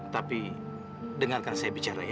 tapi dengarkan saya bicara ya